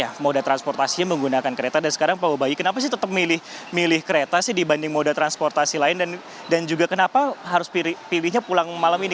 nah moda transportasinya menggunakan kereta dan sekarang pak mau bayi kenapa sih tetap milih kereta sih dibanding moda transportasi lain dan juga kenapa harus pilihnya pulang malam ini